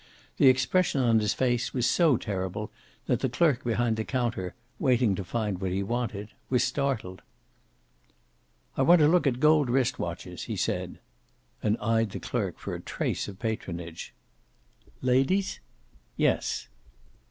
The expression on his face was so terrible that the clerk behind the counter, waiting to find what he wanted, was startled. "I want to look at gold wrist watches," he said. And eyed the clerk for a trace of patronage. "Ladies?" "Yes."